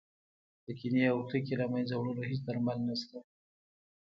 د کینې او کرکې له منځه وړلو هېڅ درمل نه شته.